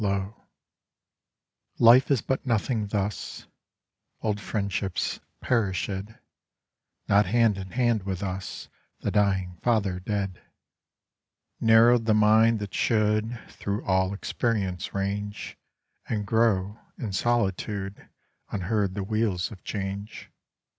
Lo, Life is but nothing thus: Old friendships perishèd; Not hand in hand with us The dying father dead; Narrow'd the mind that should Thro' all experience range And grow; in solitude Unheard the wheels of change.